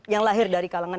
yang lahir dari kalangan